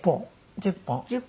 １０本？